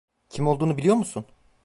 Kim olduğunu biliyor musun?